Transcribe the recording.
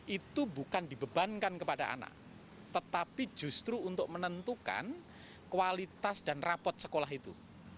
itu bukan dibebankan kepada anak tetapi justru untuk menentukan kualitas dan rapot sekolah itu